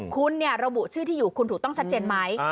คุณระบุชื่อที่อยู่คุณถูกต้องชัดเจนไหม